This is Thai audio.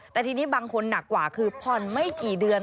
แต่ทีนี้บางคนหนักกว่าคือผ่อนไม่กี่เดือน